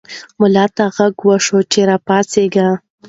ملا ته غږ وشو چې راپاڅېږه.